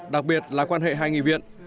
đặc biệt là quan hệ hai nghị viện